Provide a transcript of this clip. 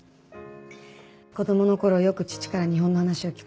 子供の頃よく父から日本の話を聞かされた。